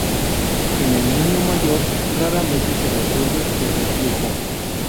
En el niño mayor, raramente se resuelve el reflujo.